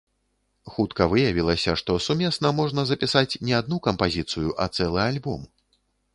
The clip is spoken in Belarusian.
Хутка выявілася, што сумесна можна запісаць не адну кампазіцыю, а цэлы альбом.